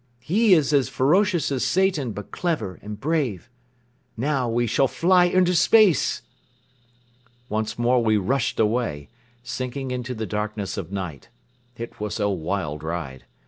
He is as ferocious as Satan but clever and brave. ... Now we shall fly into space." Once more we rushed away, sinking into the darkness of night. It was a wild ride.